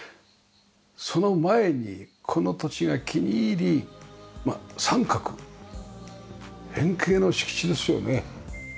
その前にこの土地が気に入り三角変形の敷地ですよね。